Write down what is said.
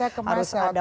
harus ada pasarnya